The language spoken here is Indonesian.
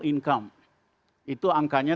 income itu angkanya